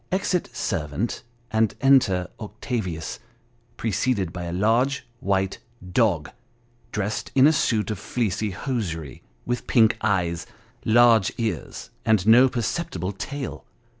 Exit servant, and enter Octavius preceded by a large white dog, dressed in a suit of fleecy hosiery, with pink eyes, large ears, and no perceptible tail.